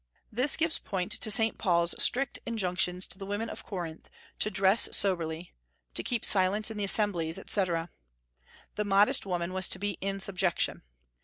This gives point to Saint Paul's strict injunctions to the women of Corinth to dress soberly, to keep silence in the assemblies, etc. The modest woman was to "be in subjection."